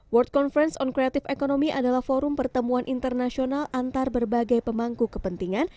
world conference on creative economy adalah forum pertemuan internasional antar berbagai pemangku kepentingan